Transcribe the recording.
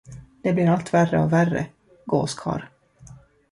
Det blir allt värre och värre, gåskarl.